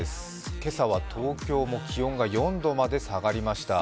今朝は東京も気温が４度まで下がりました。